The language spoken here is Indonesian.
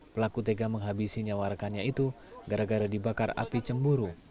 pelaku tega menghabisi nyawa rekannya itu gara gara dibakar api cemburu